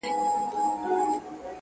د ښکلا د دُنیا موري؛ د شرابو د خُم لوري؛